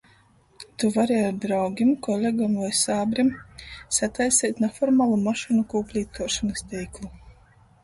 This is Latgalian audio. Tu vari ar draugim, kolegom voi sābrim sataiseit naformalu mašynu kūplītuošonys teiklu.